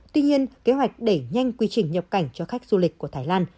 tuy nhiên kế hoạch đẩy nhanh quy trình nhập cảnh cho khách du lịch của thái lan